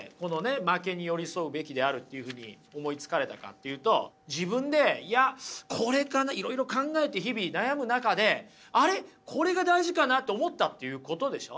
負けに寄り添うべきであるっていうふうに思いつかれたかっていうと自分でいやこれかないろいろ考えて日々悩む中で「あれ？これが大事かな」と思ったっていうことでしょ？